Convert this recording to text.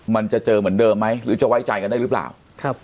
มันจะเจอเหมือนเดิมไหมหรือจะไว้ใจกันได้หรือเปล่า